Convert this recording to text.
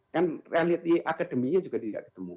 kan reality akademinya juga tidak ketemu